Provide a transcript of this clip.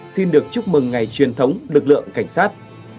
xin được chúc mừng ngày truyền thống lực lượng cảnh sát